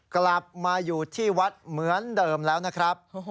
กลับมาอยู่ที่วัดเหมือนเดิมแล้วนะครับ